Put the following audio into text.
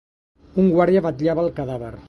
Un guàrdia vetllava el cadàver.